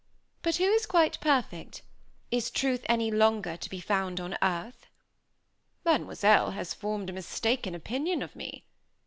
But who is quite perfect? Is truth any longer to be found on earth?" "Mademoiselle has formed a mistaken opinion of me."